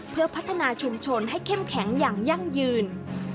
เพื่อพัฒนาชุมชนให้เข้มแข็งอย่างยั่งยืน